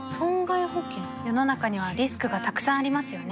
世の中にはリスクがたくさんありますよね